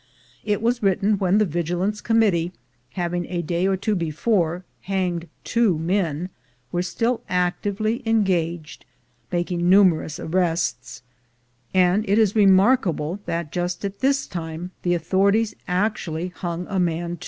It was written when the Vigilance Committee, having, a day or two before, hanged two men, were still actively engaged making numerous arrests; and it is remarkable that just at this time the authorities actually hung a man too.